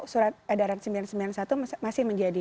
surat edaran sembilan ratus sembilan puluh satu masih menjadi